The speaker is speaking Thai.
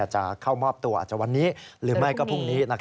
จะเข้ามอบตัวอาจจะวันนี้หรือไม่ก็พรุ่งนี้